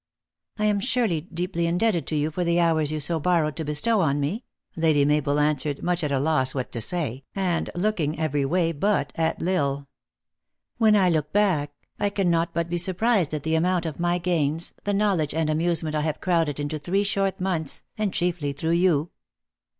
"I am surely deeply indebted to you for the hours THE ACTRESS IN HIGH LIFE. 403 you so borrowed to bestow on me," Lady Mabel an swered, much at a loss what to say, and looking every way but at L Isle. " When I look back, I cannot but be surprised at the amount of my gains, the knowl edge and amusement I have crowded into three short months, and chiefly through you."